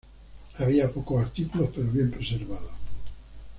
Había pocos artículos pero bien preservados.